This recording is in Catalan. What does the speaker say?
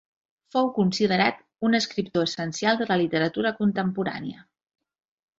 Fou considerat un escriptor essencial de la literatura contemporània.